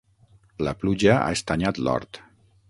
La pluja ha estanyat l'hort.